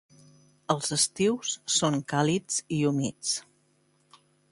Els estius són càlids i humits.